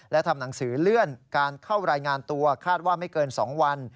และทำหนังสือเลื่อนการเข้ารายงานตัวคาดว่าไม่เกิน๒วัน